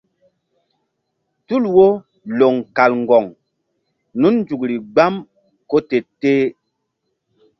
Tul wo loŋ kal ŋgoŋ nun nzukri gbam ko te-teh.